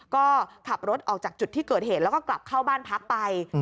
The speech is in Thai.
ก็ขับรถออกจากจุดที่เกิดเหตุแล้วก็กลับเข้าบ้านพักไป